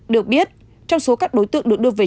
được biết trong số các đối tượng được đưa về